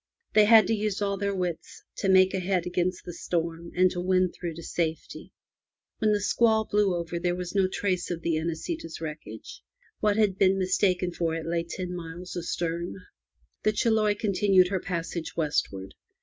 They had to use all their wits to make a head against the storm, and to win through to safety. When the squall blew over there was no trace of the Inesita' s 274 FROM THE TOWER WINDOW wreckage. What had been mistaken for it lay ten miles astern. The Chiloe continued her passage westward.